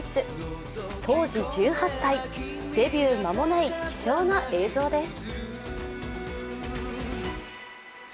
当時１８歳、デビュー間もない貴重な映像です。